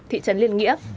thị trấn liên nghĩa